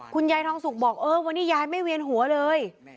คุณยายทองสุกบอกเออวันนี้ยายไม่เวียนหัวเลย